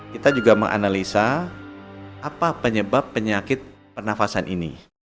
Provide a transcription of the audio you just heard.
kita juga menganalisa apa penyebab penyakit pernafasan ini